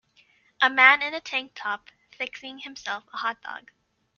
A man in a tank top fixing himself a hotdog.